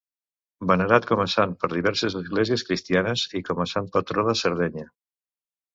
Venerat com a sant per diverses esglésies cristianes i com a sant patró de Sardenya.